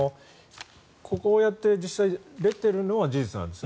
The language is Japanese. こうやって実際出てるのは事実なんです。